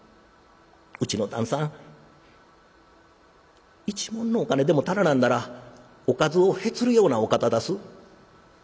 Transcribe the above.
うちの旦さん一文のお金でも足らなんだらおかずをへつるようなお方だす」。